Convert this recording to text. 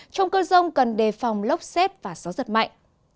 trong cơn rông cần đề phòng lốc xét và gió giật mạnh